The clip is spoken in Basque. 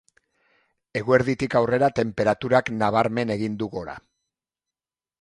Eguerditik aurrera tenperaturak nabarmen egin du gora.